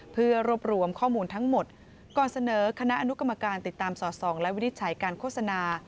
เพื่อรวบรวมข้อมูลทั้งหมดก่อนเสนอคณะอนุกรรมการติดตามสอดส่องและวินิจฉัยการโฆษณา